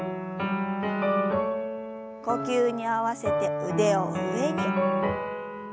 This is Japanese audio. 呼吸に合わせて腕を上に。